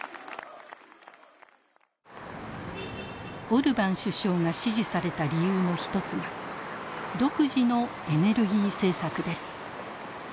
オルバン首相が支持された理由の一つが独自のエネルギー政策です。